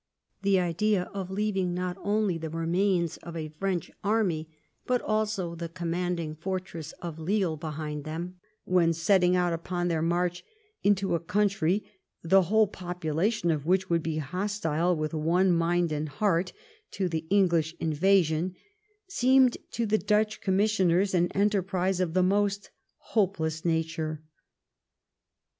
The idea of leaving not only the remains of a French army, but also the conmianding fortress of Lille behind them, when setting out upon their march into a coun try the whole population of which would be hostile with one mind and heart to the English invasion, seemed to the Dutch commissioners an enterprise of the most hopeless nature.